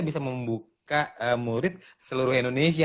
bisa membuka murid seluruh indonesia